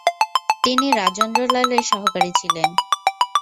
তিনি রাজেন্দ্রলালের সহকারী ছিলেন।